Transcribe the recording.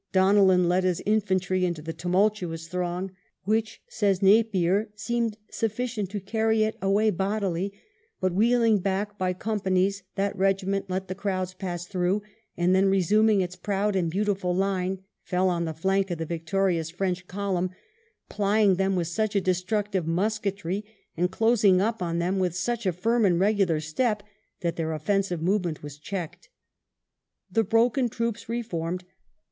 Donellan led his infantry into the tumul tuous throng, which, says Napier, " seemed sufficient to carry it away bodily ; but wheeling back by companies that regiment let the crowds pass through, and then resuming its proud and beautiful line fell on the flank of the victorious French column, plj^ng them with such a destructive musketry, and closing up on them with such a firm and regular step, that their offensive movement was checked." The broken troops reformed.